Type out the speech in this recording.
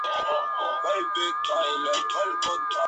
No obstante, el rey sidonio siguió exiliado en la corte de Babilonia.